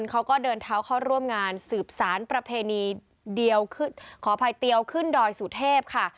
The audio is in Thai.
เขาก็เดินเท้าเข้าร่วมงานสืบสารประเพณีเดียวขออภัยเตียวขึ้นดอยสุเทพค่ะ